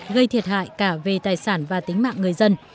gây thiệt hại cả về tài sản và tính mạng người dân